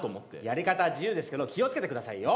やり方は自由ですけど気を付けてくださいよ。